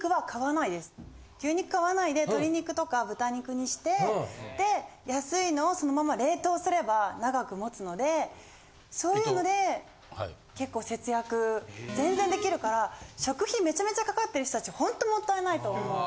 牛肉買わないで鶏肉とか豚肉にしてで安いのをそのまま冷凍すれば長く持つのでそういうので結構節約全然できるから食費めちゃめちゃかかってる人達ほんともったいないと思う。